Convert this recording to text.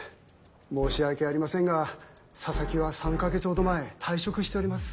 申し訳ありませんが佐々木は３か月ほど前退職しております。